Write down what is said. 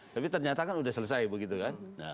tapi ternyata kan sudah selesai begitu kan